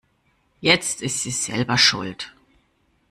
Jetzt ist sie selber schuld.